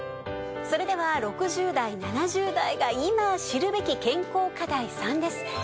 それでは６０代７０代が今知るべき健康課題３です。